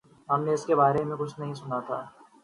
ہم نے اس کے بارے میں کچھ نہیں سنا تھا۔